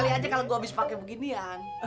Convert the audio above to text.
kali aja kalau gue abis pake beginian